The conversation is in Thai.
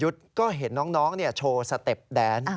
จากน้องเสา๑๔๑๕